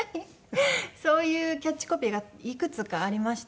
そういうキャッチコピーがいくつかありまして。